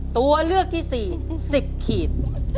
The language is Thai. ตัวเลือกที่๔๑๐ขีด